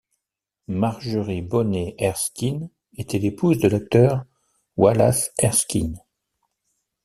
Margery Bonney Erskine était l'épouse de l'acteur Wallace Erskine.